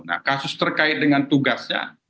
nah kasus terkait dengan tugasnya